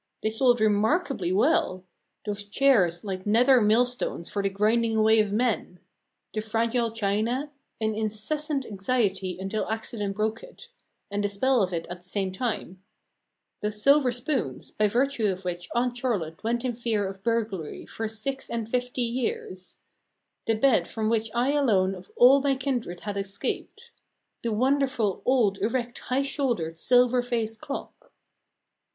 They sold remarkably well: those chairs like nether millstones for the grinding away of men; the fragile china an incessant anxiety until accident broke it, and the spell of it at the same time; those silver spoons, by virtue of which Aunt Charlotte went in fear of burglary for six and fifty years; the bed from which I alone of all my kindred had escaped; the wonderful old, erect, high shouldered, silver faced clock.